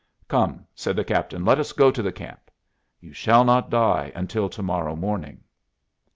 "Come," said the captain, "let us go to camp; you shall not die until to morrow morning."